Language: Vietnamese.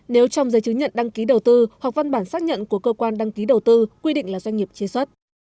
nếu trong giấy chứng nhận đăng ký đầu tư hoặc văn bản xác nhận của cơ quan đăng ký đầu tư quy định là doanh nghiệp chế xuất